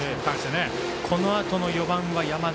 このあとの４番は山田。